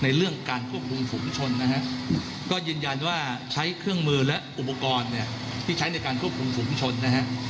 ยืนยันว่าใช้เครื่องมือและอุปกรณ์เนี่ยที่ใช้ในการควบคุมหมุนชนนะแหละ